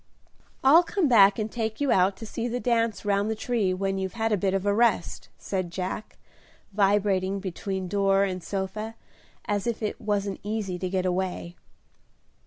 "I'll come back and take you out to see the dance round the tree when you've had a bit of a rest," said Jack, vibrating between door and sofa as if it wasn't easy to get away.